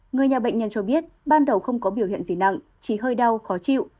người nhà bệnh nhân cho biết ban đầu không có biểu hiện gì nặng chỉ hơi đau khó chịu